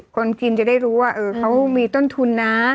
คนกินจะได้รู้ว่าเขามีต้นทุนนะ